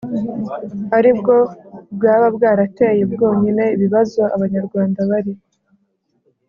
ari bwo bwaba bwarateye bwonyine ibibazo Abanyarwanda bari